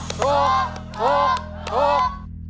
ถูก